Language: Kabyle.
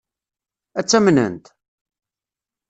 Ad tt-amnent?